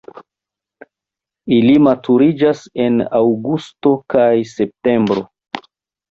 Ili maturiĝas en aŭgusto kaj septembro.